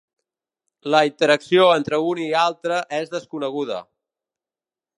La interacció entre un i altre és desconeguda.